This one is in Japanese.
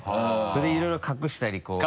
それでいろいろ隠したりこう。